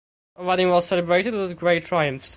The wedding was celebrated with "great triumphs".